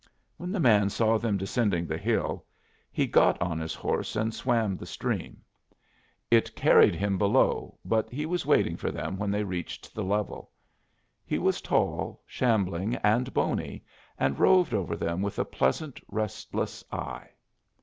When the man saw them descending the hill, he got on his horse and swam the stream. It carried him below, but he was waiting for them when they reached the level. He was tall, shambling, and bony, and roved over them with a pleasant, restless eye.